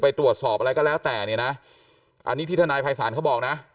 ไปตรวจสอบอะไรก็แล้วแต่เนี่ยนะอันนี้ที่ทนายภัยศาลเขาบอกนะ